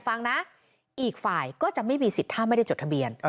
ฟังนะอีกฝ่ายก็จะไม่มีสิทธิ์ถ้าไม่ได้จดทะเบียน